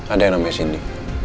ada yang namanya sindi